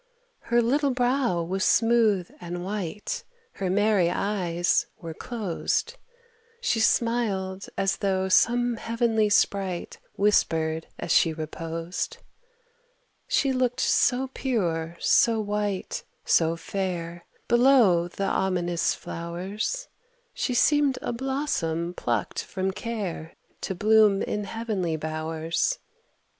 Her little brow was smooth and white, Her merry eyes were closed, She smiled, as though some heavenly sprite Whispered as she reposed. She looked so pure, so white, so fair Below the ominous flowers, She seemed a blossom plucked from care To bloom in heavenly bowers.